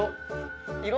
色。